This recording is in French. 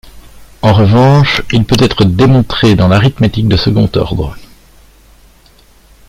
En revanche, il peut être démontré dans l'arithmétique de second ordre.